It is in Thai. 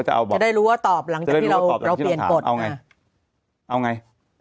จะได้รู้ว่าตอบหลังจากที่เราเราเปลี่ยนกฎเอาไงเอาไง